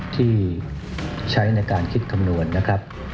ที่ใช้ในการคิดคำนวณนะครับ